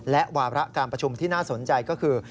และวาระการประชุมที่น่าสนใจก็คือ